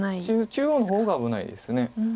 中央の方が危ないです。